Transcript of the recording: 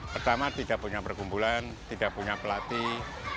pertama tidak punya perkumpulan tidak punya pelatih